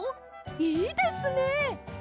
いいですね！